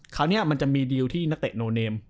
คราวนี้มันจะมีดีลที่นักเตะโนเนม